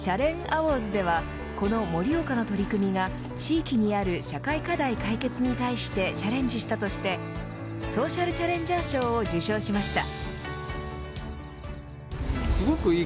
アウォーズではこの盛岡の取り組みが地域にある社会課題解決に対してチャレンジしたとしてソーシャルチャレンジャー賞を受賞しました。